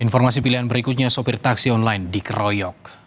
informasi pilihan berikutnya sopir taksi online dikeroyok